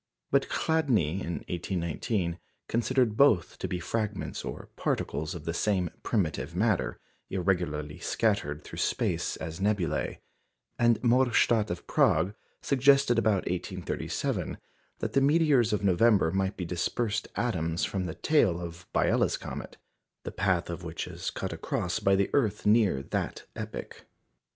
But Chladni, in 1819, considered both to be fragments or particles of the same primitive matter, irregularly scattered through space as nebulæ; and Morstadt of Prague suggested about 1837 that the meteors of November might be dispersed atoms from the tail of Biela's comet, the path of which is cut across by the earth near that epoch.